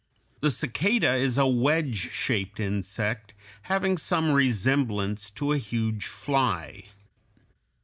The cicada is a wedge shaped insect having some resemblance to a huge fly.